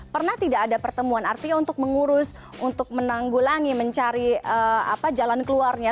pernah tidak ada pertemuan artinya untuk mengurus untuk menanggulangi mencari jalan keluarnya